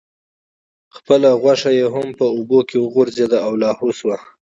خپله غوښه یې هم په اوبو کې وغورځیده او لاهو شوه.